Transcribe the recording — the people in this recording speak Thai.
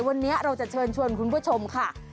วันนี้เราจะเชิญชวนคุณผู้ชมค่ะ